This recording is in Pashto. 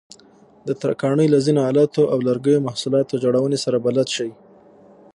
د ترکاڼۍ له ځینو آلاتو او د لرګیو محصولاتو جوړونې سره بلد شئ.